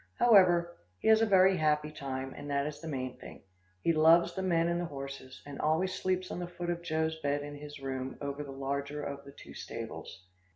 However, he has a very happy time, and that is the main thing. He loves the men and the horses, and always sleeps on the foot of Joe's bed in his room over the larger of the two stables.